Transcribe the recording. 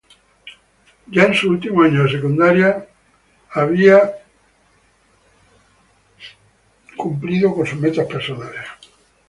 Ya en su último año de secundaria tenía sus metas personales cumplidas.